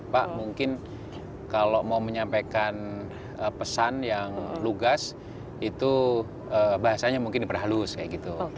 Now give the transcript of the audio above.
pak mungkin kalau mau menyampaikan pesan yang lugas itu bahasanya mungkin diperhalus kayak gitu